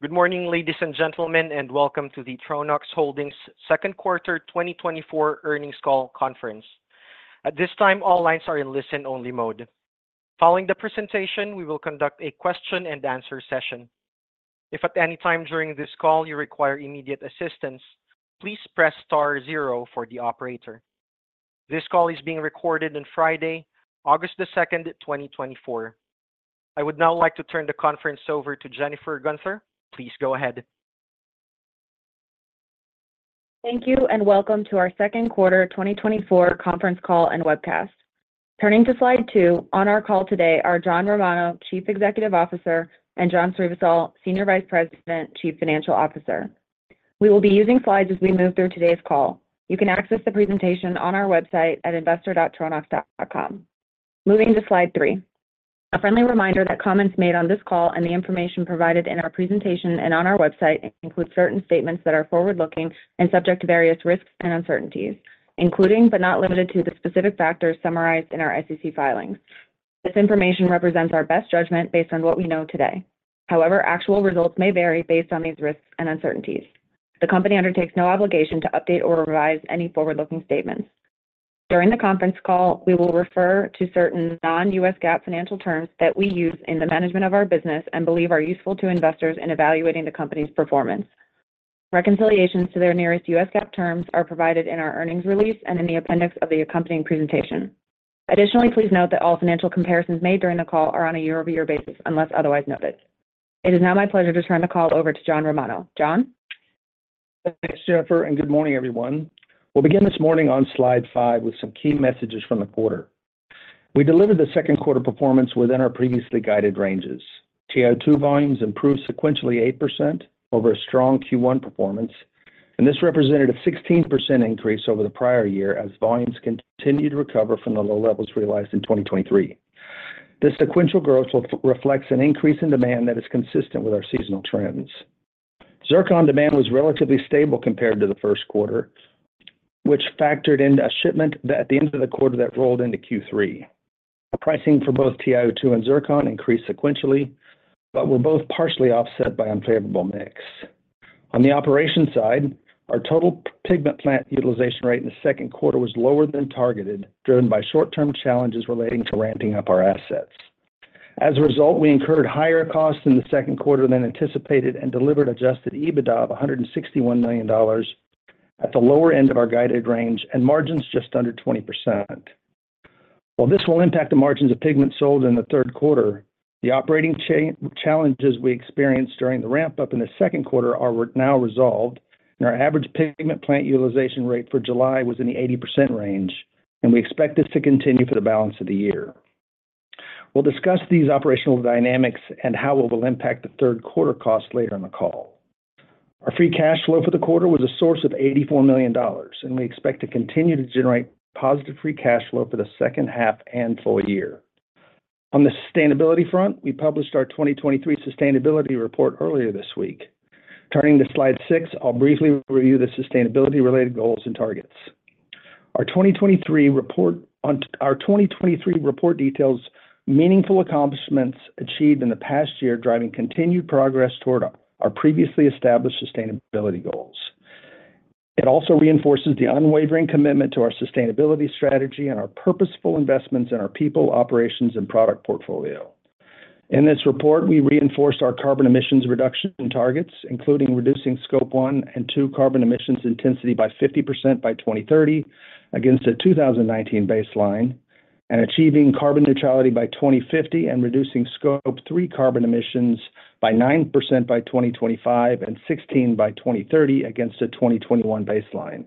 Good morning, ladies and gentlemen, and welcome to the Tronox Holdings' second quarter 2024 earnings call conference. At this time, all lines are in listen-only mode. Following the presentation, we will conduct a question-and-answer session. If at any time during this call you require immediate assistance, please press star zero for the operator. This call is being recorded on Friday, August 2, 2024. I would now like to turn the conference over to Jennifer Guenther. Please go ahead. Thank you, and welcome to our second quarter 2024 conference call and webcast. Turning to slide two, on our call today are John Romano, Chief Executive Officer, and John Srivisal, Senior Vice President, Chief Financial Officer. We will be using slides as we move through today's call. You can access the presentation on our website at investor.tronox.com. Moving to slide three, a friendly reminder that comments made on this call and the information provided in our presentation and on our website include certain statements that are forward-looking and subject to various risks and uncertainties, including, but not limited to, the specific factors summarized in our SEC filings. This information represents our best judgment based on what we know today. However, actual results may vary based on these risks and uncertainties. The company undertakes no obligation to update or revise any forward-looking statements. During the conference call, we will refer to certain non-US GAAP financial terms that we use in the management of our business and believe are useful to investors in evaluating the company's performance. Reconciliations to their nearest US GAAP terms are provided in our earnings release and in the appendix of the accompanying presentation. Additionally, please note that all financial comparisons made during the call are on a year-over-year basis unless otherwise noted. It is now my pleasure to turn the call over to John Romano. John? Thanks, Jennifer, and good morning, everyone. We'll begin this morning on slide five with some key messages from the quarter. We delivered the second quarter performance within our previously guided ranges. TiO2 volumes improved sequentially 8% over a strong Q1 performance, and this represented a 16% increase over the prior year as volumes continued to recover from the low levels realized in 2023. This sequential growth reflects an increase in demand that is consistent with our seasonal trends. Zircon demand was relatively stable compared to the first quarter, which factored in a shipment at the end of the quarter that rolled into Q3. Pricing for both TiO2 and Zircon increased sequentially, but were both partially offset by unfavorable mix. On the operation side, our total pigment plant utilization rate in the second quarter was lower than targeted, driven by short-term challenges relating to ramping up our assets. As a result, we incurred higher costs in the second quarter than anticipated and delivered adjusted EBITDA of $161 million at the lower end of our guided range and margins just under 20%. While this will impact the margins of pigment sold in the third quarter, the operating challenges we experienced during the ramp-up in the second quarter are now resolved, and our average pigment plant utilization rate for July was in the 80% range, and we expect this to continue for the balance of the year. We'll discuss these operational dynamics and how it will impact the third quarter costs later in the call. Our free cash flow for the quarter was a source of $84 million, and we expect to continue to generate positive free cash flow for the second half and full year. On the sustainability front, we published our 2023 sustainability report earlier this week. Turning to slide six, I'll briefly review the sustainability-related goals and targets. Our 2023 report details meaningful accomplishments achieved in the past year, driving continued progress toward our previously established sustainability goals. It also reinforces the unwavering commitment to our sustainability strategy and our purposeful investments in our people, operations, and product portfolio. In this report, we reinforced our carbon emissions reduction targets, including reducing Scope 1 and 2 carbon emissions intensity by 50% by 2030 against a 2019 baseline, and achieving carbon neutrality by 2050, and reducing Scope 3 carbon emissions by 9% by 2025 and 16% by 2030 against a 2021 baseline.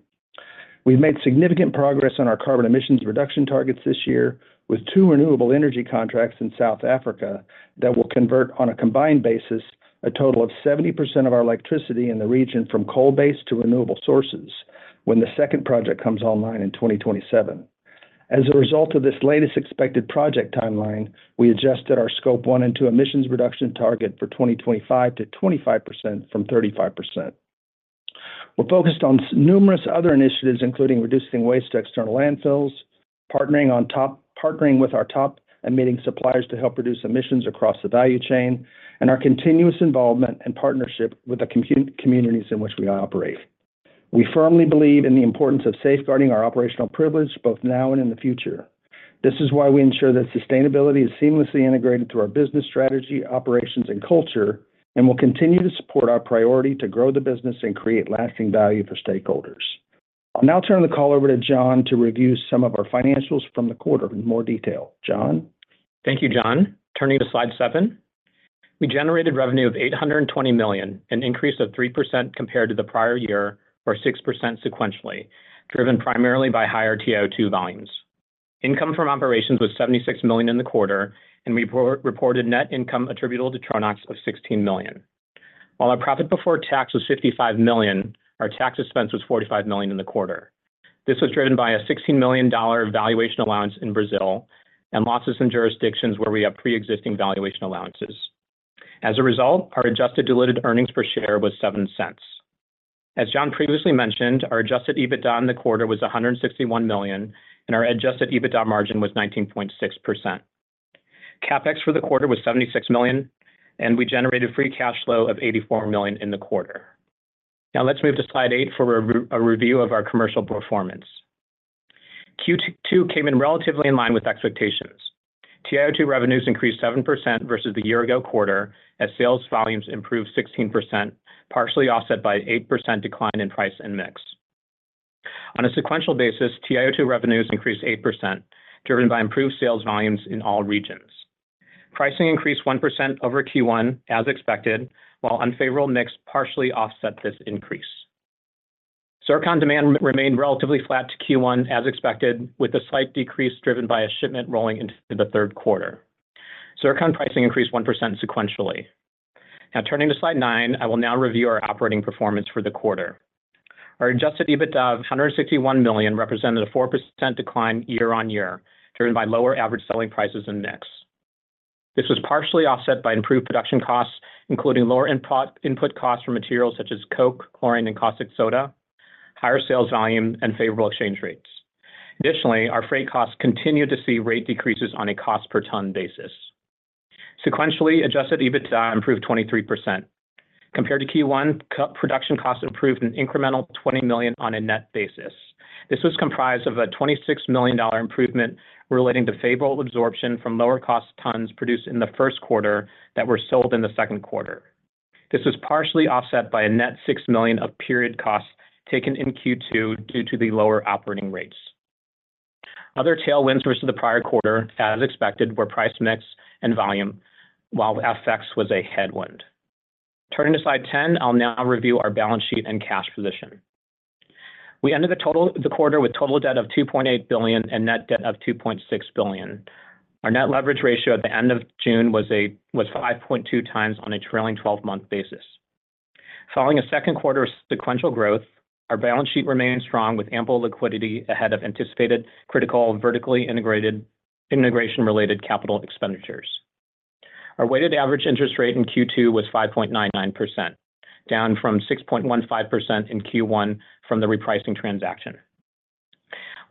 We've made significant progress on our carbon emissions reduction targets this year, with two renewable energy contracts in South Africa that will convert on a combined basis a total of 70% of our electricity in the region from coal-based to renewable sources when the second project comes online in 2027. As a result of this latest expected project timeline, we adjusted our Scope 1 and 2 emissions reduction target for 2025 to 25% from 35%. We're focused on numerous other initiatives, including reducing waste to external landfills, partnering with our top emitting suppliers to help reduce emissions across the value chain, and our continuous involvement and partnership with the communities in which we operate. We firmly believe in the importance of safeguarding our operational privilege both now and in the future. This is why we ensure that sustainability is seamlessly integrated through our business strategy, operations, and culture, and will continue to support our priority to grow the business and create lasting value for stakeholders. I'll now turn the call over to John to review some of our financials from the quarter in more detail. John? Thank you, John. Turning to slide seven, we generated revenue of $820 million, an increase of 3% compared to the prior year or 6% sequentially, driven primarily by higher TiO2 volumes. Income from operations was $76 million in the quarter, and we reported net income attributable to Tronox of $16 million. While our profit before tax was $55 million, our tax expense was $45 million in the quarter. This was driven by a $16 million valuation allowance in Brazil and losses in jurisdictions where we have pre-existing valuation allowances. As a result, our adjusted diluted earnings per share was $0.07. As John previously mentioned, our adjusted EBITDA in the quarter was $161 million, and our adjusted EBITDA margin was 19.6%. CapEx for the quarter was $76 million, and we generated free cash flow of $84 million in the quarter. Now let's move to slide eight for a review of our commercial performance. Q2 came in relatively in line with expectations. TiO2 revenues increased 7% versus the year-ago quarter as sales volumes improved 16%, partially offset by an 8% decline in price and mix. On a sequential basis, TiO2 revenues increased 8%, driven by improved sales volumes in all regions. Pricing increased 1% over Q1, as expected, while unfavorable mix partially offset this increase. Zircon demand remained relatively flat to Q1, as expected, with a slight decrease driven by a shipment rolling into the third quarter. Zircon pricing increased 1% sequentially. Now turning to slide nine, I will now review our operating performance for the quarter. Our adjusted EBITDA of $161 million represented a 4% decline year-on-year, driven by lower average selling prices and mix. This was partially offset by improved production costs, including lower input costs for materials such as coke, chlorine, and caustic soda, higher sales volume, and favorable exchange rates. Additionally, our freight costs continued to see rate decreases on a cost-per-ton basis. Sequentially, adjusted EBITDA improved 23%. Compared to Q1, production costs improved an incremental $20 million on a net basis. This was comprised of a $26 million improvement relating to favorable absorption from lower-cost tons produced in the first quarter that were sold in the second quarter. This was partially offset by a net $6 million of period costs taken in Q2 due to the lower operating rates. Other tailwinds versus the prior quarter, as expected, were price mix and volume, while FX was a headwind. Turning to slide 10, I'll now review our balance sheet and cash position. We ended the quarter with total debt of $2.8 billion and net debt of $2.6 billion. Our net leverage ratio at the end of June was 5.2x on a trailing 12-month basis. Following a second quarter sequential growth, our balance sheet remained strong with ample liquidity ahead of anticipated critical vertically integrated integration-related capital expenditures. Our weighted average interest rate in Q2 was 5.99%, down from 6.15% in Q1 from the repricing transaction.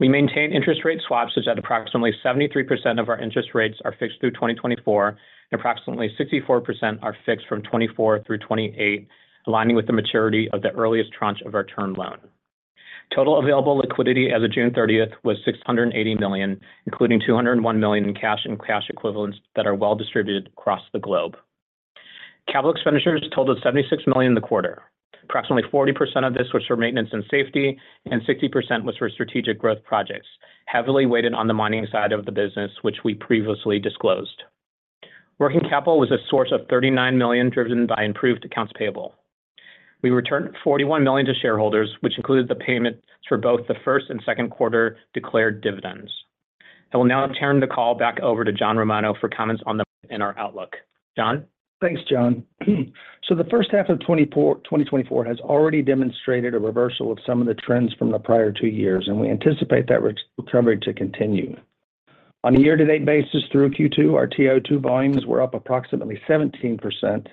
We maintained interest rate swaps such that approximately 73% of our interest rates are fixed through 2024, and approximately 64% are fixed from 2024 through 2028, aligning with the maturity of the earliest tranche of our term loan. Total available liquidity as of June 30 was $680 million, including $201 million in cash and cash equivalents that are well-distributed across the globe. Capital expenditures totaled $76 million in the quarter. Approximately 40% of this was for maintenance and safety, and 60% was for strategic growth projects, heavily weighted on the mining side of the business, which we previously disclosed. Working capital was a source of $39 million, driven by improved accounts payable. We returned $41 million to shareholders, which included the payments for both the first and second quarter declared dividends. I will now turn the call back over to John Romano for comments on our outlook. John? Thanks, John. So the first half of 2024 has already demonstrated a reversal of some of the trends from the prior two years, and we anticipate that recovery to continue. On a year-to-date basis, through Q2, our TiO2 volumes were up approximately 17%,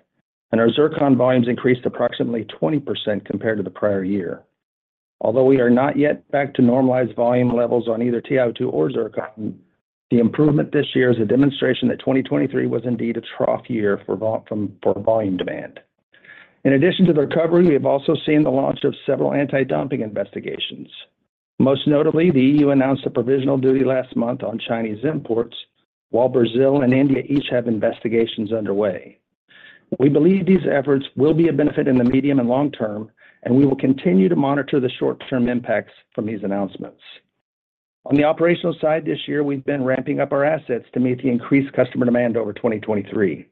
and our Zircon volumes increased approximately 20% compared to the prior year. Although we are not yet back to normalized volume levels on either TiO2 or Zircon, the improvement this year is a demonstration that 2023 was indeed a trough year for volume demand. In addition to the recovery, we have also seen the launch of several anti-dumping investigations. Most notably, the EU announced a provisional duty last month on Chinese imports, while Brazil and India each have investigations underway. We believe these efforts will be of benefit in the medium and long term, and we will continue to monitor the short-term impacts from these announcements. On the operational side, this year, we've been ramping up our assets to meet the increased customer demand over 2023.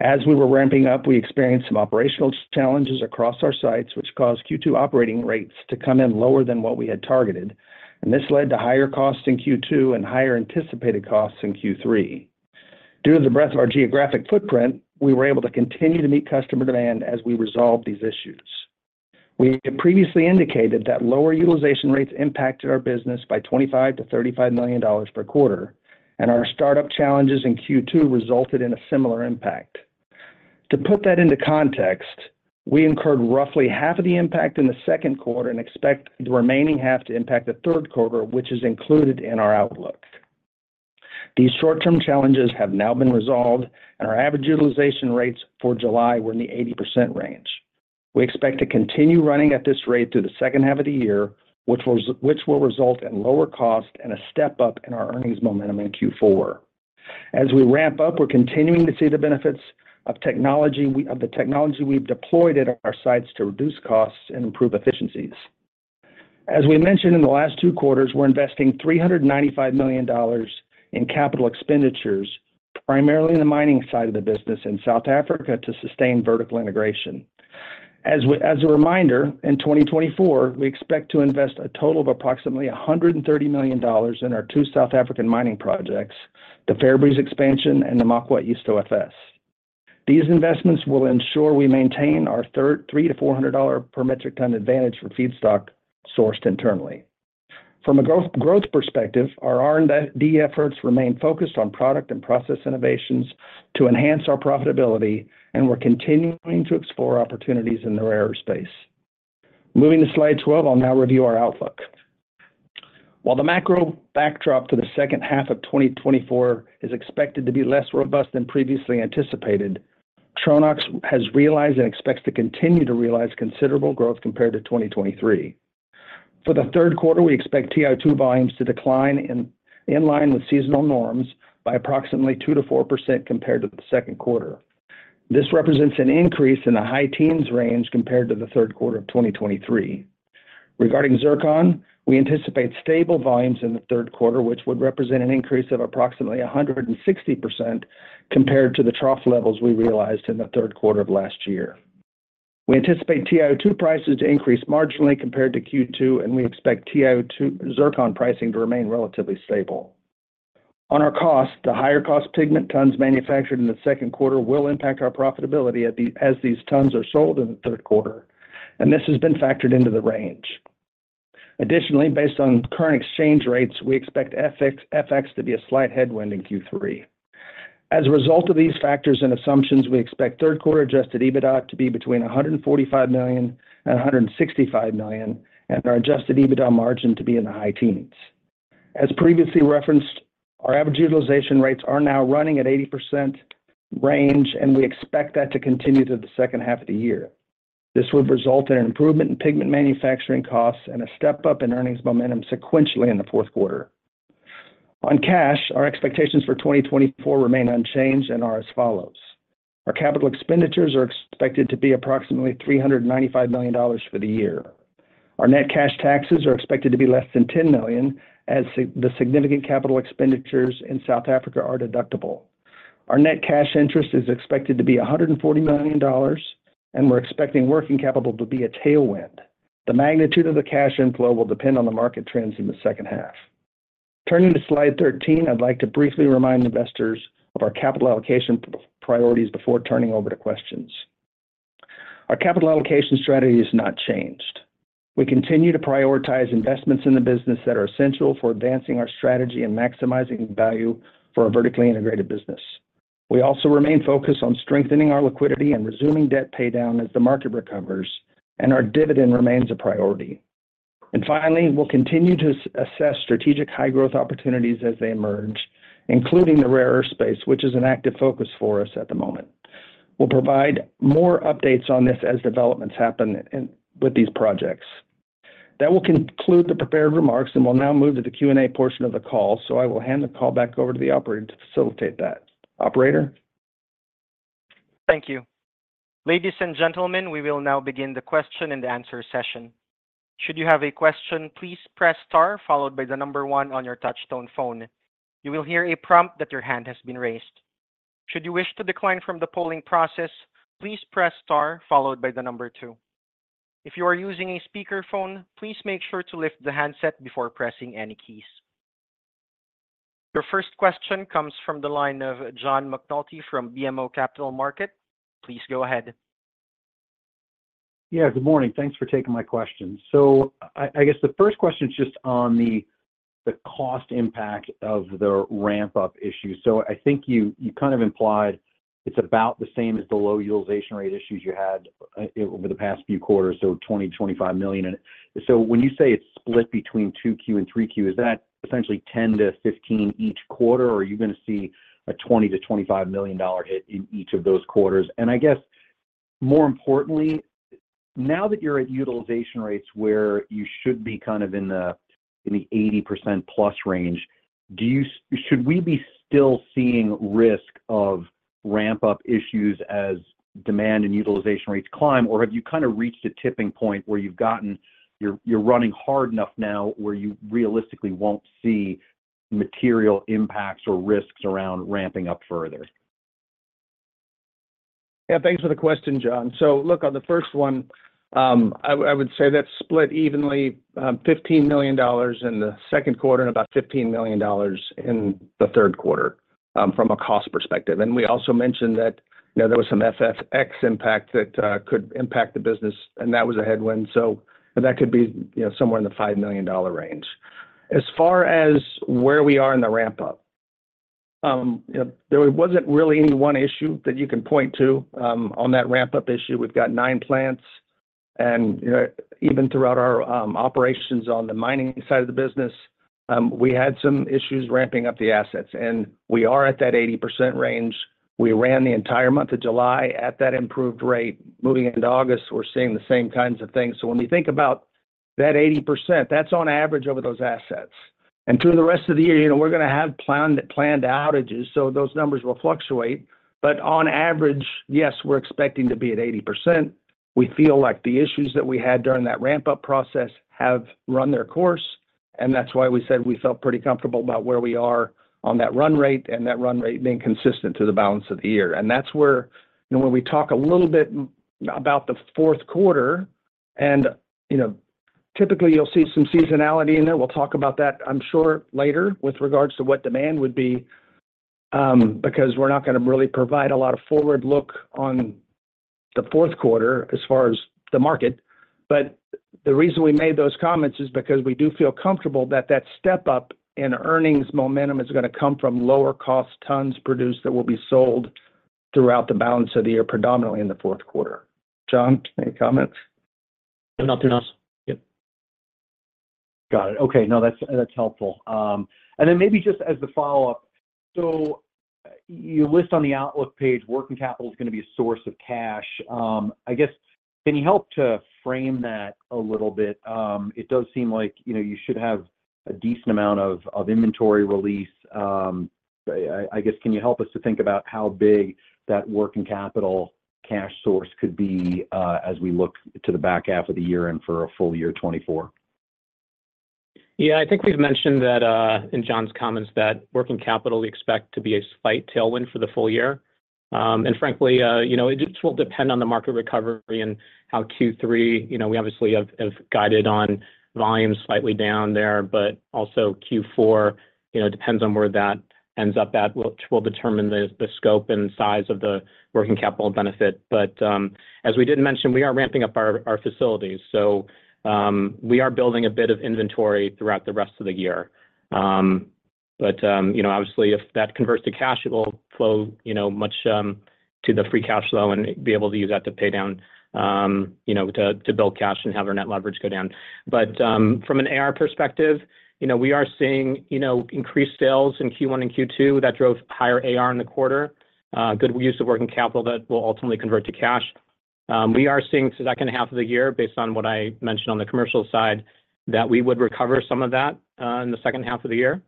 As we were ramping up, we experienced some operational challenges across our sites, which caused Q2 operating rates to come in lower than what we had targeted, and this led to higher costs in Q2 and higher anticipated costs in Q3. Due to the breadth of our geographic footprint, we were able to continue to meet customer demand as we resolved these issues. We had previously indicated that lower utilization rates impacted our business by $25 million-$35 million per quarter, and our startup challenges in Q2 resulted in a similar impact. To put that into context, we incurred roughly half of the impact in the second quarter and expect the remaining half to impact the third quarter, which is included in our outlook. These short-term challenges have now been resolved, and our average utilization rates for July were in the 80% range. We expect to continue running at this rate through the second half of the year, which will result in lower costs and a step up in our earnings momentum in Q4. As we ramp up, we're continuing to see the benefits of the technology we've deployed at our sites to reduce costs and improve efficiencies. As we mentioned in the last two quarters, we're investing $395 million in capital expenditures, primarily in the mining side of the business in South Africa to sustain vertical integration. As a reminder, in 2024, we expect to invest a total of approximately $130 million in our two South African mining projects, the Fairbreeze's expansion and the Namakwa East OFS. These investments will ensure we maintain our $300-$400 per metric ton advantage for feedstock sourced internally. From a growth perspective, our R&D efforts remain focused on product and process innovations to enhance our profitability, and we're continuing to explore opportunities in the rare earths space. Moving to slide 12, I'll now review our outlook. While the macro backdrop to the second half of 2024 is expected to be less robust than previously anticipated, Tronox has realized and expects to continue to realize considerable growth compared to 2023. For the third quarter, we expect TiO2 volumes to decline in line with seasonal norms by approximately 2%-4% compared to the second quarter. This represents an increase in the high teens range compared to the third quarter of 2023. Regarding Zircon, we anticipate stable volumes in the third quarter, which would represent an increase of approximately 160% compared to the trough levels we realized in the third quarter of last year. We anticipate TiO2 prices to increase marginally compared to Q2, and we expect Zircon pricing to remain relatively stable. On our costs, the higher cost pigment tons manufactured in the second quarter will impact our profitability as these tons are sold in the third quarter, and this has been factored into the range. Additionally, based on current exchange rates, we expect FX to be a slight headwind in Q3. As a result of these factors and assumptions, we expect third-quarter adjusted EBITDA to be between $145 million and $165 million, and our adjusted EBITDA margin to be in the high teens. As previously referenced, our average utilization rates are now running at 80% range, and we expect that to continue through the second half of the year. This would result in an improvement in pigment manufacturing costs and a step up in earnings momentum sequentially in the fourth quarter. On cash, our expectations for 2024 remain unchanged and are as follows. Our capital expenditures are expected to be approximately $395 million for the year. Our net cash taxes are expected to be less than $10 million, as the significant capital expenditures in South Africa are deductible. Our net cash interest is expected to be $140 million, and we're expecting working capital to be a tailwind. The magnitude of the cash inflow will depend on the market trends in the second half. Turning to slide 13, I'd like to briefly remind investors of our capital allocation priorities before turning over to questions. Our capital allocation strategy has not changed. We continue to prioritize investments in the business that are essential for advancing our strategy and maximizing value for a vertically integrated business. We also remain focused on strengthening our liquidity and resuming debt paydown as the market recovers, and our dividend remains a priority. Finally, we'll continue to assess strategic high-growth opportunities as they emerge, including the rare earth space, which is an active focus for us at the moment. We'll provide more updates on this as developments happen with these projects. That will conclude the prepared remarks, and we'll now move to the Q&A portion of the call, so I will hand the call back over to the operator to facilitate that. Operator? Thank you. Ladies and gentlemen, we will now begin the question-and-answer session. Should you have a question, please press star followed by one on your touch-tone phone. You will hear a prompt that your hand has been raised. Should you wish to decline from the polling process, please press star followed by two. If you are using a speakerphone, please make sure to lift the handset before pressing any keys. Your first question comes from the line of John McNulty from BMO Capital Markets. Please go ahead. Yeah, good morning. Thanks for taking my question. So I guess the first question is just on the cost impact of the ramp-up issue. So I think you kind of implied it's about the same as the low utilization rate issues you had over the past few quarters, so $20 million-$25 million. And so when you say it's split between 2Q and 3Q, is that essentially 10-15 each quarter, or are you going to see a $20 million-$25 million hit in each of those quarters? And I guess, more importantly, now that you're at utilization rates where you should be kind of in the 80% plus range, should we be still seeing risk of ramp-up issues as demand and utilization rates climb, or have you kind of reached a tipping point where you've gotten you're running hard enough now where you realistically won't see material impacts or risks around ramping up further? Yeah, thanks for the question, John. So look, on the first one, I would say that's split evenly, $15 million in the second quarter and about $15 million in the third quarter from a cost perspective. And we also mentioned that there was some FX impact that could impact the business, and that was a headwind, so that could be somewhere in the $5 million range. As far as where we are in the ramp-up, there wasn't really any one issue that you can point to on that ramp-up issue. We've got nine plants, and even throughout our operations on the mining side of the business, we had some issues ramping up the assets, and we are at that 80% range. We ran the entire month of July at that improved rate. Moving into August, we're seeing the same kinds of things. So when you think about that 80%, that's on average over those assets. And through the rest of the year, we're going to have planned outages, so those numbers will fluctuate. But on average, yes, we're expecting to be at 80%. We feel like the issues that we had during that ramp-up process have run their course, and that's why we said we felt pretty comfortable about where we are on that run rate and that run rate being consistent through the balance of the year. And that's where when we talk a little bit about the fourth quarter, and typically you'll see some seasonality in there, we'll talk about that, I'm sure, later with regards to what demand would be, because we're not going to really provide a lot of forward look on the fourth quarter as far as the market. But the reason we made those comments is because we do feel comfortable that that step up in earnings momentum is going to come from lower-cost tons produced that will be sold throughout the balance of the year, predominantly in the fourth quarter. John, any comments? Nothing else. Yep. Got it. Okay. No, that's helpful. And then maybe just as the follow-up, so you list on the outlook page, working capital is going to be a source of cash. I guess, can you help to frame that a little bit? It does seem like you should have a decent amount of inventory release. I guess, can you help us to think about how big that working capital cash source could be as we look to the back half of the year and for a full year 2024? Yeah, I think we've mentioned in John's comments that working capital we expect to be a slight tailwind for the full year. And frankly, it just will depend on the market recovery and how Q3 we obviously have guided on volumes slightly down there, but also Q4 depends on where that ends up at, which will determine the scope and size of the working capital benefit. But as we did mention, we are ramping up our facilities, so we are building a bit of inventory throughout the rest of the year. But obviously, if that converts to cash, it will flow much to the free cash flow and be able to use that to pay down, to build cash and have our net leverage go down. But from an AR perspective, we are seeing increased sales in Q1 and Q2 that drove higher AR in the quarter, good use of working capital that will ultimately convert to cash. We are seeing through the second half of the year, based on what I mentioned on the commercial side, that we would recover some of that in the second half of the year.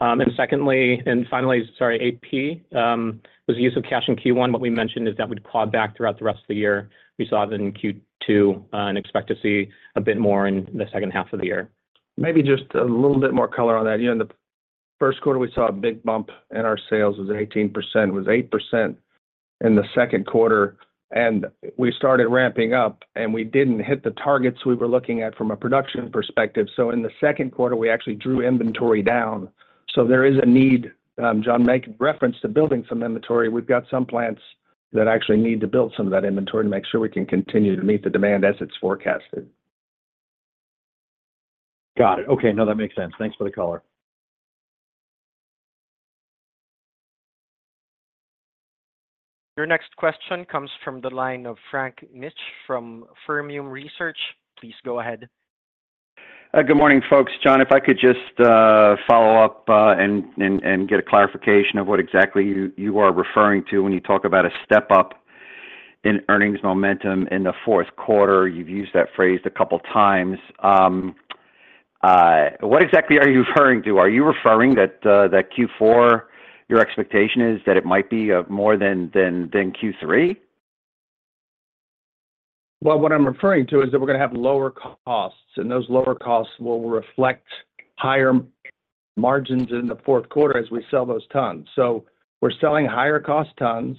And finally, sorry, AP was the use of cash in Q1. What we mentioned is that we'd claw back throughout the rest of the year. We saw it in Q2 and expect to see a bit more in the second half of the year. Maybe just a little bit more color on that. In the first quarter, we saw a big bump in our sales. It was 18%. It was 8% in the second quarter, and we started ramping up, and we didn't hit the targets we were looking at from a production perspective. So in the second quarter, we actually drew inventory down. So there is a need, John, make reference to building some inventory. We've got some plants that actually need to build some of that inventory to make sure we can continue to meet the demand as it's forecasted. Got it. Okay. No, that makes sense. Thanks for the color. Your next question comes from the line of Frank Mitsch from Fermium Research. Please go ahead. Good morning, folks. John, if I could just follow up and get a clarification of what exactly you are referring to when you talk about a step up in earnings momentum in the fourth quarter. You've used that phrase a couple of times. What exactly are you referring to? Are you referring that Q4, your expectation is that it might be more than Q3? Well, what I'm referring to is that we're going to have lower costs, and those lower costs will reflect higher margins in the fourth quarter as we sell those tons. So we're selling higher-cost tons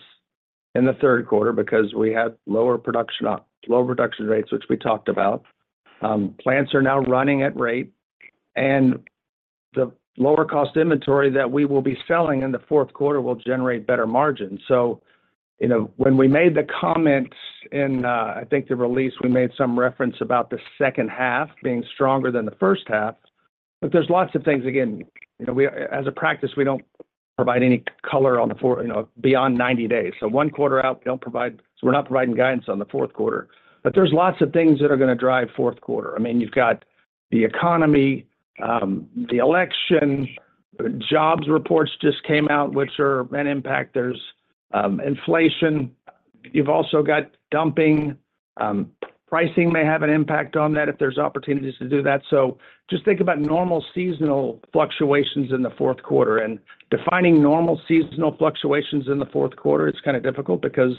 in the third quarter because we had lower production rates, which we talked about. Plants are now running at rate, and the lower-cost inventory that we will be selling in the fourth quarter will generate better margins. So when we made the comment in, I think, the release, we made some reference about the second half being stronger than the first half. But there's lots of things. Again, as a practice, we don't provide any color on the four beyond 90 days. So one quarter out, we don't provide - we're not providing guidance on the fourth quarter. But there's lots of things that are going to drive fourth quarter. I mean, you've got the economy, the election, jobs reports just came out, which are an impact. There's inflation. You've also got dumping. Pricing may have an impact on that if there's opportunities to do that. So just think about normal seasonal fluctuations in the fourth quarter. And defining normal seasonal fluctuations in the fourth quarter is kind of difficult because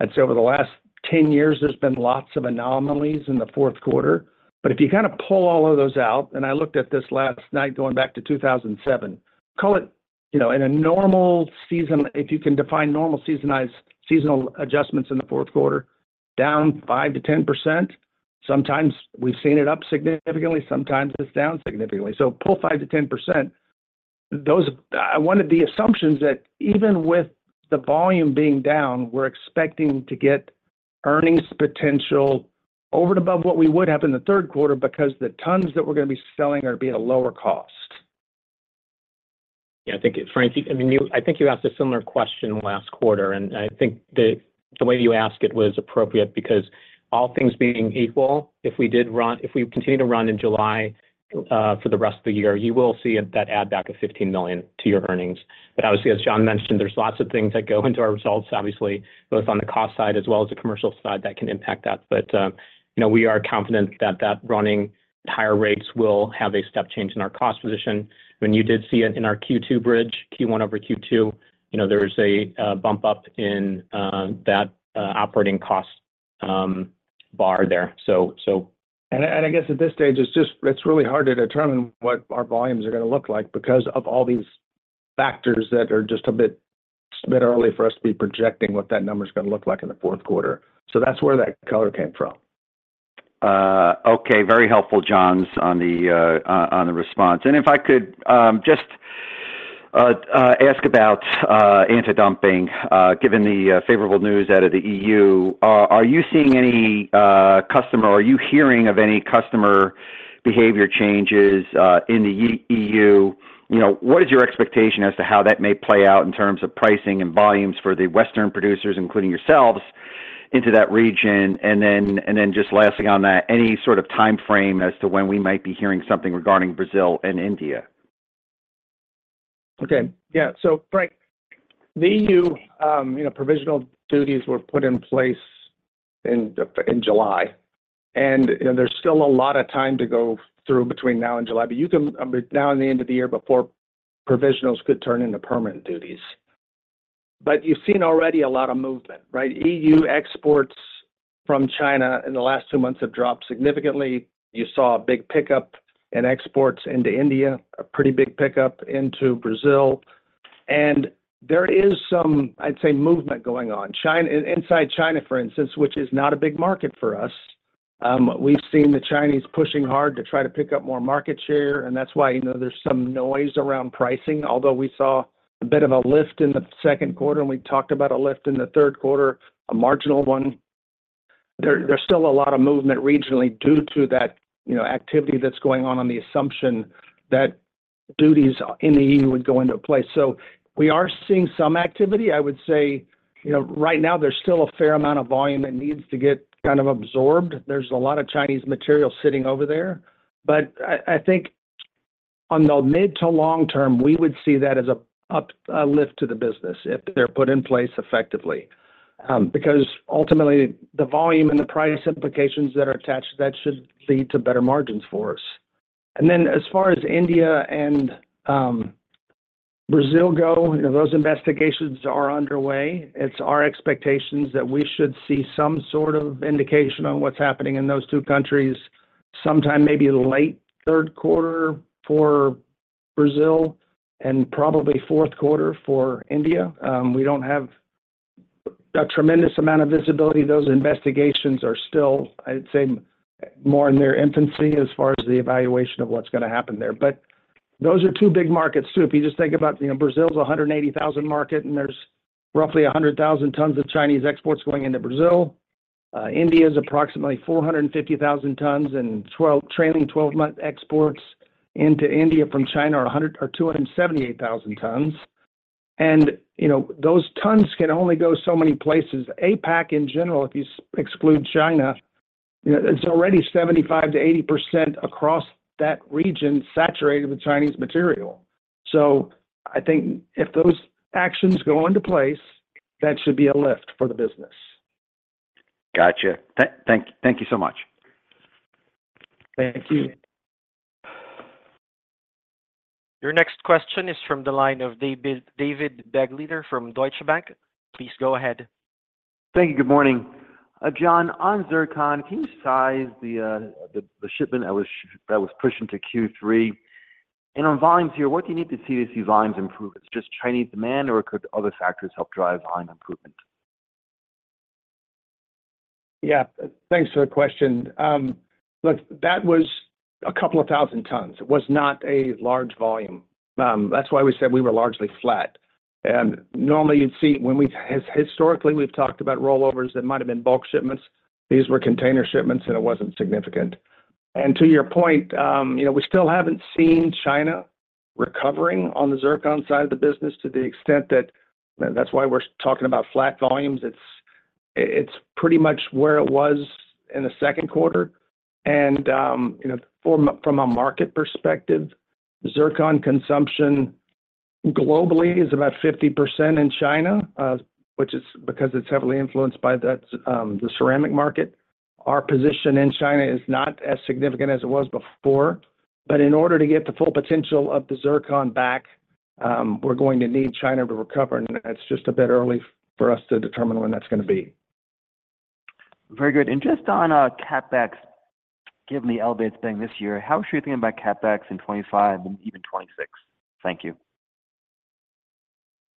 I'd say over the last 10 years, there's been lots of anomalies in the fourth quarter. But if you kind of pull all of those out, and I looked at this last night going back to 2007, call it in a normal season, if you can define normal seasonal adjustments in the fourth quarter, down 5%-10%. Sometimes we've seen it up significantly. Sometimes it's down significantly. So pull 5%-10%. One of the assumptions that even with the volume being down, we're expecting to get earnings potential over and above what we would have in the third quarter because the tons that we're going to be selling are going to be at a lower cost. Yeah, I think, Frank, I mean, I think you asked a similar question last quarter, and I think the way you asked it was appropriate because all things being equal, if we continue to run in July for the rest of the year, you will see that add-back of $15 million to your earnings. But obviously, as John mentioned, there's lots of things that go into our results, obviously, both on the cost side as well as the commercial side that can impact that. But we are confident that that running higher rates will have a step change in our cost position. And you did see it in our Q2 bridge, Q1 over Q2, there was a bump up in that operating cost bar there. So. I guess at this stage, it's really hard to determine what our volumes are going to look like because of all these factors that are just a bit early for us to be projecting what that number's going to look like in the fourth quarter. That's where that color came from. Okay. Very helpful, John, on the response. If I could just ask about anti-dumping, given the favorable news out of the EU, are you seeing any customer? Are you hearing of any customer behavior changes in the EU? What is your expectation as to how that may play out in terms of pricing and volumes for the Western producers, including yourselves, into that region? Just lastly on that, any sort of timeframe as to when we might be hearing something regarding Brazil and India? Okay. Yeah. So Frank, the EU provisional duties were put in place in July, and there's still a lot of time to go through between now and July. But now and the end of the year before provisionals could turn into permanent duties. But you've seen already a lot of movement, right? EU exports from China in the last two months have dropped significantly. You saw a big pickup in exports into India, a pretty big pickup into Brazil. And there is some, I'd say, movement going on. Inside China, for instance, which is not a big market for us, we've seen the Chinese pushing hard to try to pick up more market share, and that's why there's some noise around pricing. Although we saw a bit of a lift in the second quarter, and we talked about a lift in the third quarter, a marginal one, there's still a lot of movement regionally due to that activity that's going on on the assumption that duties in the EU would go into place. So we are seeing some activity. I would say right now, there's still a fair amount of volume that needs to kind of absorbed. There's a lot of Chinese material sitting over there. But I think on the mid to long term, we would see that as a lift to the business if they're put in place effectively. Because ultimately, the volume and the price implications that are attached, that should lead to better margins for us. And then as far as India and Brazil go, those investigations are underway. It's our expectations that we should see some sort of indication on what's happening in those two countries, sometime maybe late third quarter for Brazil and probably fourth quarter for India. We don't have a tremendous amount of visibility. Those investigations are still, I'd say, more in their infancy as far as the evaluation of what's going to happen there. But those are two big markets too. If you just think about Brazil's 180,000 market, and there's roughly 100,000 tons of Chinese exports going into Brazil. India's approximately 450,000 tons, and trailing 12-month exports into India from China are 278,000 tons. And those tons can only go so many places. APAC, in general, if you exclude China, it's already 75%-80% across that region saturated with Chinese material. So I think if those actions go into place, that should be a lift for the business. Gotcha. Thank you so much. Thank you. Your next question is from the line of David Begleiter from Deutsche Bank. Please go ahead. Thank you. Good morning. John, on Zircon, can you size the shipment that was pushed into Q3? And on volumes here, what do you need to see to see volumes improve? It's just Chinese demand, or could other factors help drive volume improvement? Yeah. Thanks for the question. Look, that was a couple of thousand tons. It was not a large volume. That's why we said we were largely flat. And normally, you'd see when we historically we've talked about rollovers that might have been bulk shipments, these were container shipments, and it wasn't significant. And to your point, we still haven't seen China recovering on the Zircon side of the business to the extent that that's why we're talking about flat volumes. It's pretty much where it was in the second quarter. From a market perspective, Zircon consumption globally is about 50% in China, which is because it's heavily influenced by the ceramic market. Our position in China is not as significant as it was before. In order to get the full potential of the Zircon back, we're going to need China to recover. It's just a bit early for us to determine when that's going to be. Very good. And just on CapEx, given the elevated spending this year, how should we think about CapEx in 2025 and even 2026? Thank you.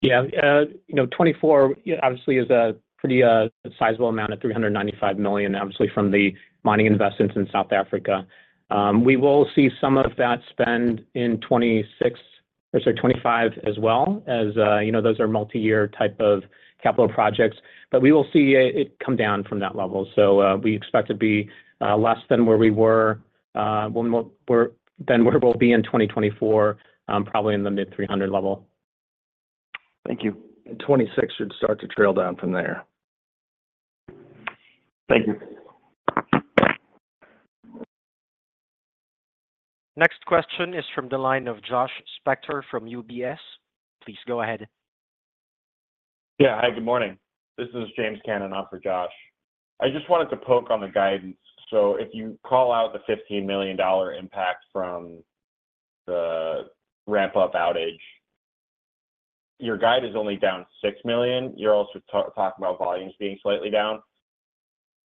Yeah. 2024, obviously, is a pretty sizable amount of $395 million, obviously, from the mining investments in South Africa. We will see some of that spend in 2026 or, sorry, 2025 as well, as those are multi-year type of capital projects. But we will see it come down from that level. So we expect to be less than where we were than where we'll be in 2024, probably in the mid-300 level. Thank you. 2026 should start to trail down from there. Thank you. Next question is from the line of Joshua Spector from UBS. Please go ahead. Yeah. Hi, good morning. This is James Cannon off for Josh. I just wanted to poke on the guidance. So if you call out the $15 million impact from the ramp-up outage, your guide is only down $6 million. You're also talking about volumes being slightly down.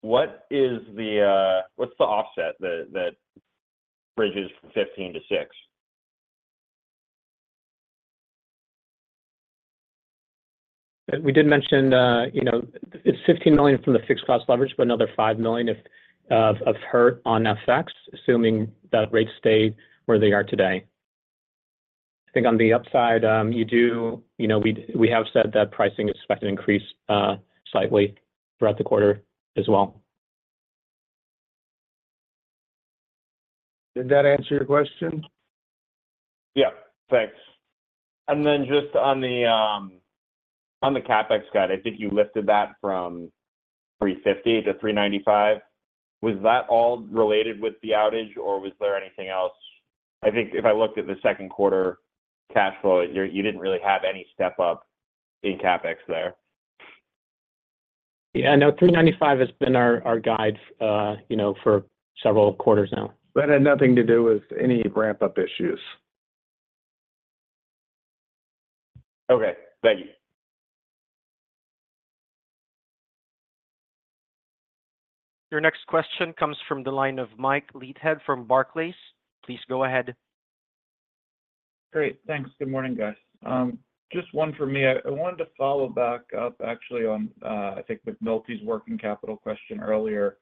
What's the offset that bridges from $15 million-$6 million? We did mention it's $15 million from the fixed cost leverage, but another $5 million of hurt on FX, assuming that rates stay where they are today. I think on the upside, we have said that pricing is expected to increase slightly throughout the quarter as well. Did that answer your question? Yeah. Thanks. And then just on the CapEx guide, I think you lifted that from $350-$395. Was that all related with the outage, or was there anything else? I think if I looked at the second quarter cash flow, you didn't really have any step up in CapEx there. Yeah. No, $395 has been our guide for several quarters now. That had nothing to do with any ramp-up issues. Okay. Thank you. Your next question comes from the line of Mike Leithead from Barclays. Please go ahead. Great. Thanks. Good morning, guys. Just one for me. I wanted to follow back up, actually, on, I think, McNulty's working capital question earlier.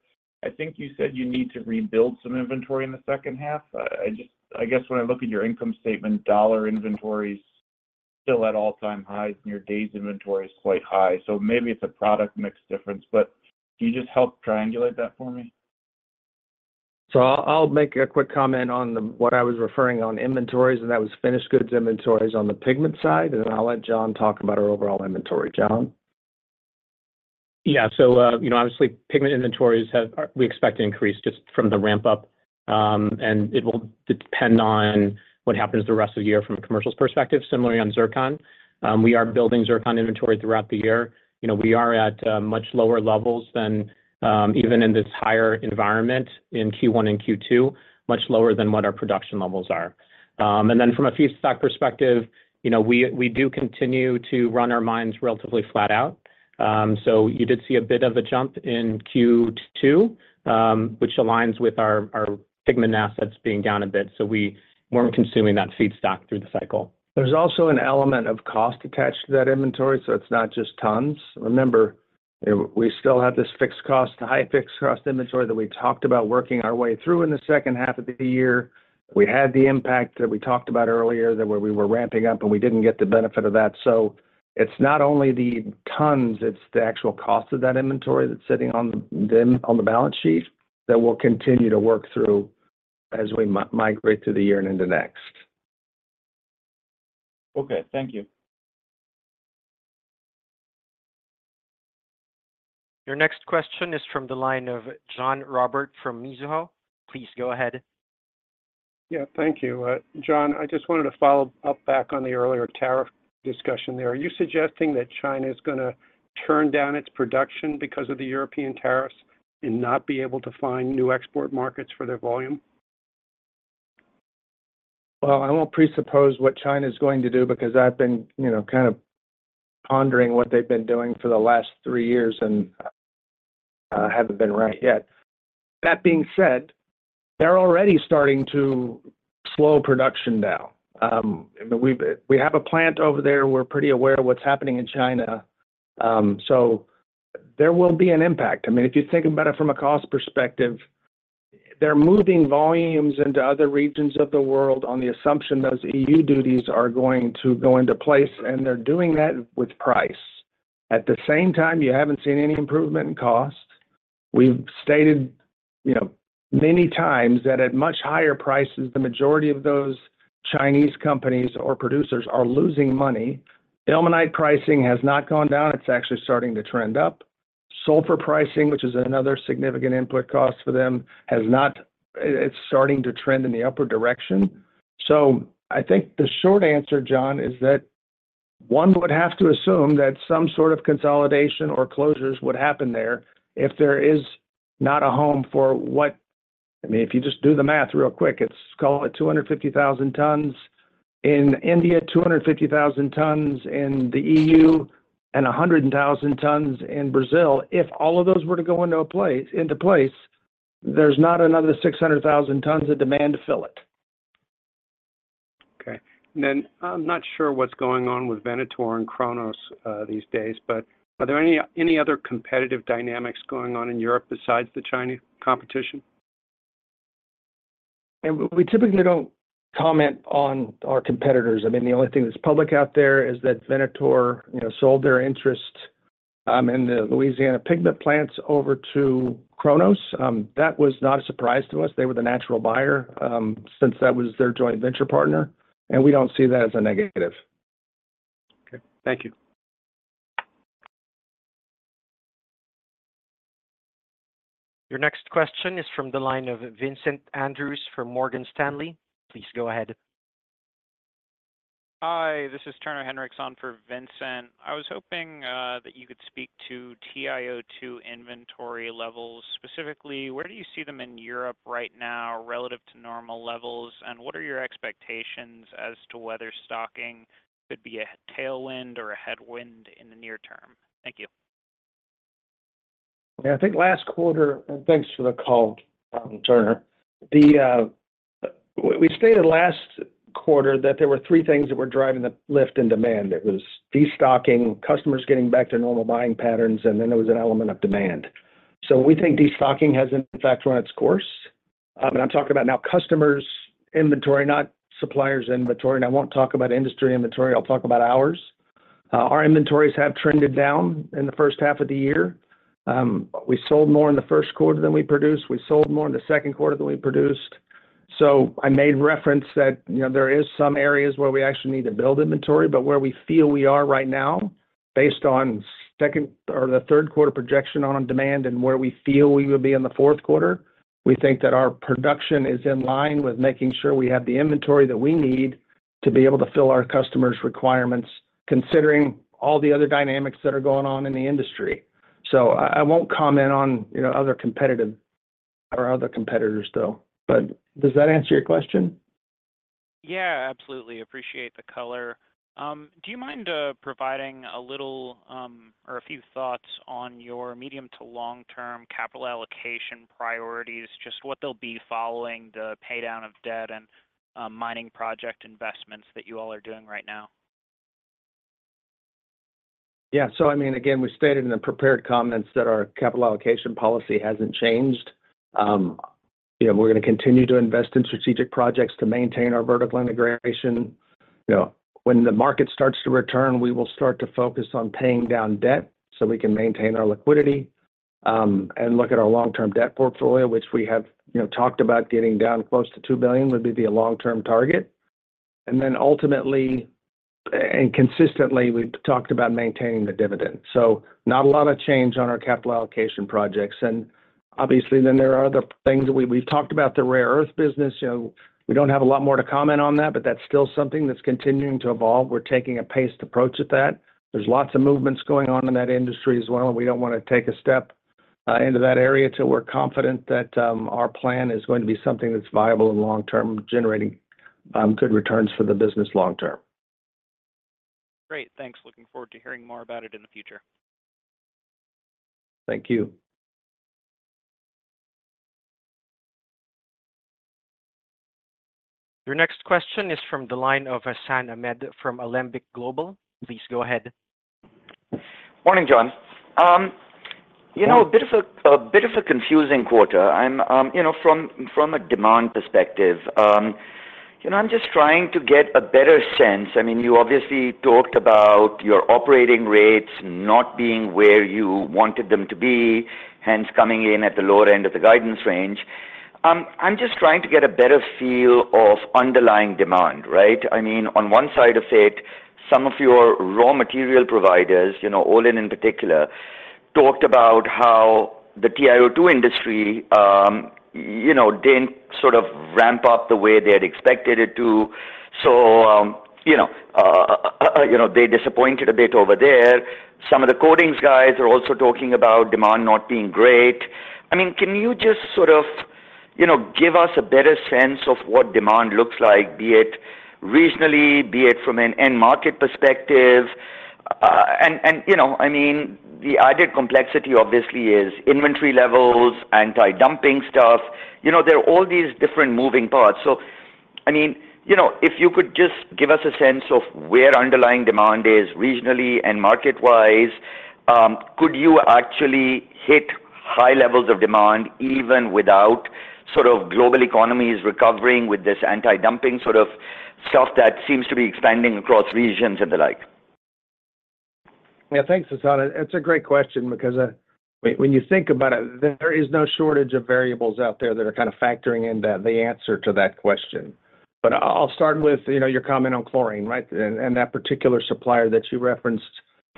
I think you said you need to rebuild some inventory in the second half. I guess when I look at your income statement, dollar inventory's still at all-time highs, and your day's inventory is quite high. So maybe it's a product mix difference. But can you just help triangulate that for me? I'll make a quick comment on what I was referring to on inventories, and that was finished goods inventories on the pigment side. Then I'll let John talk about our overall inventory. John? Yeah. So obviously, pigment inventories we expect to increase just from the ramp-up. It will depend on what happens the rest of the year from a commercial perspective. Similarly, on Zircon, we are building Zircon inventory throughout the year. We are at much lower levels than even in this higher environment in Q1 and Q2, much lower than what our production levels are. Then from a feedstock perspective, we do continue to run our mines relatively flat out. So you did see a bit of a jump in Q2, which aligns with our pigment assets being down a bit. So we weren't consuming that feedstock through the cycle. There's also an element of cost attached to that inventory, so it's not just tons. Remember, we still have this high fixed cost inventory that we talked about working our way through in the second half of the year. We had the impact that we talked about earlier that we were ramping up, and we didn't get the benefit of that. So it's not only the tons, it's the actual cost of that inventory that's sitting on the balance sheet that will continue to work through as we migrate through the year and into next. Okay. Thank you. Your next question is from the line of John Roberts from Mizuho. Please go ahead. Yeah. Thank you. John, I just wanted to follow up back on the earlier tariff discussion there. Are you suggesting that China is going to turn down its production because of the European tariffs and not be able to find new export markets for their volume? Well, I won't presuppose what China is going to do because I've been kind of pondering what they've been doing for the last three years and haven't been right yet. That being said, they're already starting to slow production down. I mean, we have a plant over there. We're pretty aware of what's happening in China. So there will be an impact. I mean, if you think about it from a cost perspective, they're moving volumes into other regions of the world on the assumption those EU duties are going to go into place, and they're doing that with price. At the same time, you haven't seen any improvement in cost. We've stated many times that at much higher prices, the majority of those Chinese companies or producers are losing money. Ilmenite pricing has not gone down. It's actually starting to trend up. Sulfur pricing, which is another significant input cost for them. It's starting to trend in the upward direction. So I think the short answer, John, is that one would have to assume that some sort of consolidation or closures would happen there if there is not a home for what I mean, if you just do the math real quick, it's, call it 250,000 tons in India, 250,000 tons in the EU, and 100,000 tons in Brazil. If all of those were to go into place, there's not another 600,000 tons of demand to fill it. Okay. And then I'm not sure what's going on with Venator and Kronos these days, but are there any other competitive dynamics going on in Europe besides the Chinese competition? We typically don't comment on our competitors. I mean, the only thing that's public out there is that Venator sold their interest in the Louisiana pigment plants over to Kronos. That was not a surprise to us. They were the natural buyer since that was their joint venture partner. We don't see that as a negative. Okay. Thank you. Your next question is from the line of Vincent Andrews from Morgan Stanley. Please go ahead. Hi. This is Turner Hinrichs for Vincent. I was hoping that you could speak to TiO2 inventory levels. Specifically, where do you see them in Europe right now relative to normal levels, and what are your expectations as to whether stocking could be a tailwind or a headwind in the near term? Thank you. Yeah. I think last quarter, and thanks for the call, Turner, we stated last quarter that there were three things that were driving the lift in demand. It was destocking, customers getting back to normal buying patterns, and then there was an element of demand. So we think destocking has, in fact, run its course. And I'm talking about now customers' inventory, not suppliers' inventory. And I won't talk about industry inventory. I'll talk about ours. Our inventories have trended down in the first half of the year. We sold more in the first quarter than we produced. We sold more in the second quarter than we produced. So I made reference that there are some areas where we actually need to build inventory, but where we feel we are right now, based on second or the third quarter projection on demand and where we feel we will be in the fourth quarter, we think that our production is in line with making sure we have the inventory that we need to be able to fill our customers' requirements, considering all the other dynamics that are going on in the industry. So I won't comment on other competitive or other competitors though. But does that answer your question? Yeah. Absolutely. Appreciate the color. Do you mind providing a little or a few thoughts on your medium to long-term capital allocation priorities, just what they'll be following the paydown of debt and mining project investments that you all are doing right now? Yeah. So I mean, again, we stated in the prepared comments that our capital allocation policy hasn't changed. We're going to continue to invest in strategic projects to maintain our vertical integration. When the market starts to return, we will start to focus on paying down debt so we can maintain our liquidity and look at our long-term debt portfolio, which we have talked about, getting down close to $2 billion, would be the long-term target. And then ultimately and consistently, we've talked about maintaining the dividend. So not a lot of change on our capital allocation projects. And obviously, then there are other things. We've talked about the rare earth business. We don't have a lot more to comment on that, but that's still something that's continuing to evolve. We're taking a paced approach at that. There's lots of movements going on in that industry as well. We don't want to take a step into that area until we're confident that our plan is going to be something that's viable and long-term, generating good returns for the business long-term. Great. Thanks. Looking forward to hearing more about it in the future. Thank you. Your next question is from the line of Hassan Ahmed from Alembic Global. Please go ahead. Morning, John. A bit of a confusing quarter. From a demand perspective, I'm just trying to get a better sense. I mean, you obviously talked about your operating rates not being where you wanted them to be, hence coming in at the lower end of the guidance range. I'm just trying to get a better feel of underlying demand, right? I mean, on one side of it, some of your raw material providers, Olin in particular, talked about how the TiO2 industry didn't sort of ramp up the way they had expected it to. So they disappointed a bit over there. Some of the coatings guys are also talking about demand not being great. I mean, can you just sort of give us a better sense of what demand looks like, be it regionally, be it from an end market perspective? I mean, the added complexity, obviously, is inventory levels, anti-dumping stuff. There are all these different moving parts. So I mean, if you could just give us a sense of where underlying demand is regionally and market-wise, could you actually hit high levels of demand even without sort of global economies recovering with this anti-dumping sort of stuff that seems to be expanding across regions and the like? Yeah. Thanks, Hassan. It's a great question because when you think about it, there is no shortage of variables out there that are kind of factoring in the answer to that question. But I'll start with your comment on chlorine, right? And that particular supplier that you referenced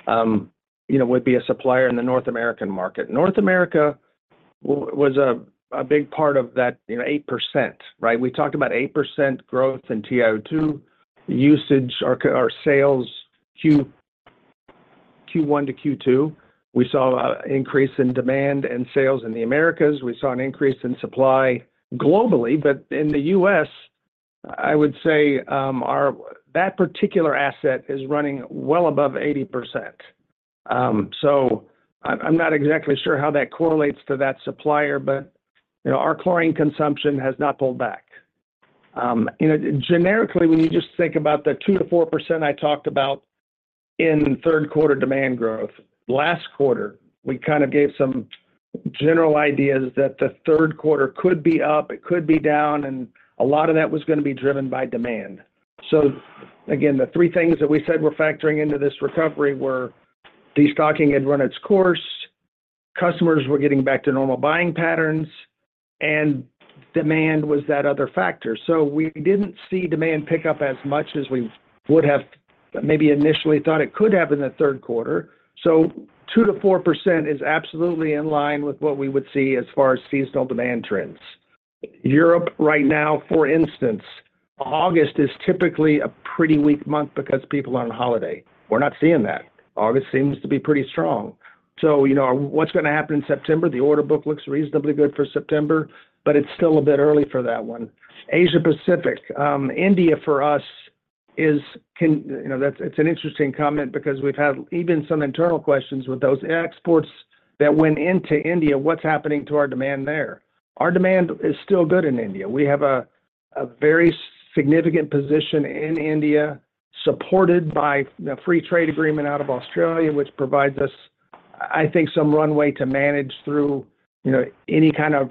would be a supplier in the North American market. North America was a big part of that 8%, right? We talked about 8% growth in TiO2 usage or sales Q1 to Q2. We saw an increase in demand and sales in the Americas. We saw an increase in supply globally. But in the U.S., I would say that particular asset is running well above 80%. So I'm not exactly sure how that correlates to that supplier, but our chlorine consumption has not pulled back. Generically, when you just think about the 2%-4% I talked about in third quarter demand growth, last quarter, we kind of gave some general ideas that the third quarter could be up, it could be down, and a lot of that was going to be driven by demand. So again, the three things that we said were factoring into this recovery were destocking had run its course, customers were getting back to normal buying patterns, and demand was that other factor. So we didn't see demand pick up as much as we would have maybe initially thought it could have in the third quarter. So 2%-4% is absolutely in line with what we would see as far as seasonal demand trends. Europe right now, for instance, August is typically a pretty weak month because people are on holiday. We're not seeing that. August seems to be pretty strong. So what's going to happen in September? The order book looks reasonably good for September, but it's still a bit early for that one. Asia-Pacific, India, for us, it's an interesting comment because we've had even some internal questions with those exports that went into India. What's happening to our demand there? Our demand is still good in India. We have a very significant position in India supported by a free trade agreement out of Australia, which provides us, I think, some runway to manage through any kind of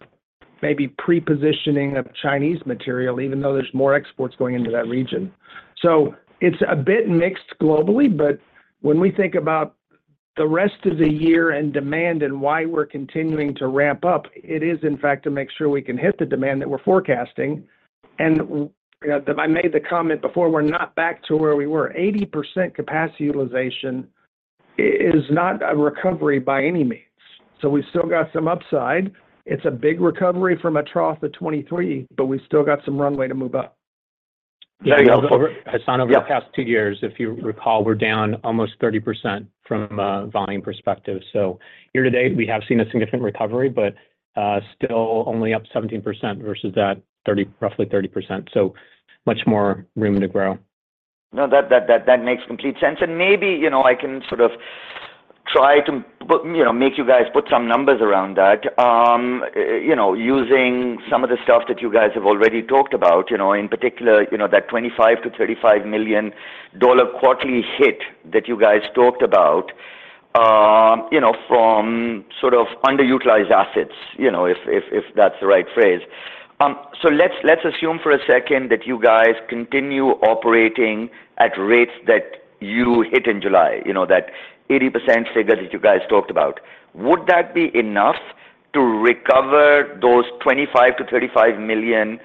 maybe pre-positioning of Chinese material, even though there's more exports going into that region. So it's a bit mixed globally, but when we think about the rest of the year and demand and why we're continuing to ramp up, it is, in fact, to make sure we can hit the demand that we're forecasting. I made the comment before, we're not back to where we were. 80% capacity utilization is not a recovery by any means. We've still got some upside. It's a big recovery from a trough of 2023, but we've still got some runway to move up. Hassan, over the past two years, if you recall, we're down almost 30% from a volume perspective. So year to date, we have seen a significant recovery, but still only up 17% versus that roughly 30%. So much more room to grow. No, that makes complete sense. And maybe I can sort of try to make you guys put some numbers around that using some of the stuff that you guys have already talked about, in particular, that $25-$35 million quarterly hit that you guys talked about from sort of underutilized assets, if that's the right phrase. So let's assume for a second that you guys continue operating at rates that you hit in July, that 80% figure that you guys talked about. Would that be enough to recover those $25 million-$35 million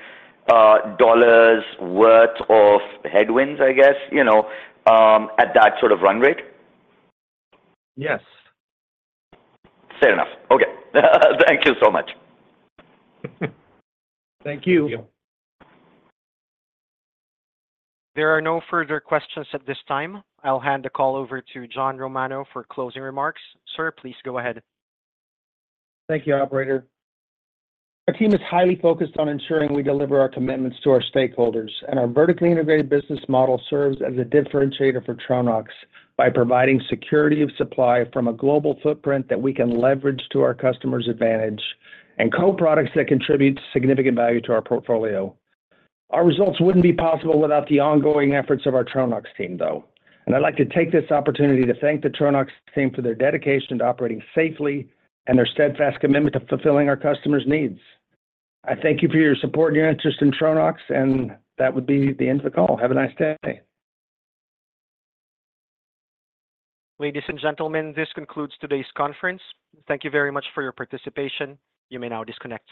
worth of headwinds, I guess, at that sort of run rate? Yes. Fair enough. Okay. Thank you so much. Thank you. There are no further questions at this time. I'll hand the call over to John Romano for closing remarks. Sir, please go ahead. Thank you, Operator. Our team is highly focused on ensuring we deliver our commitments to our stakeholders, and our vertically integrated business model serves as a differentiator for Tronox by providing security of supply from a global footprint that we can leverage to our customers' advantage and co-products that contribute significant value to our portfolio. Our results wouldn't be possible without the ongoing efforts of our Tronox team, though. I'd like to take this opportunity to thank the Tronox team for their dedication to operating safely and their steadfast commitment to fulfilling our customers' needs. I thank you for your support and your interest in Tronox, and that would be the end of the call. Have a nice day. Ladies and gentlemen, this concludes today's conference. Thank you very much for your participation. You may now disconnect.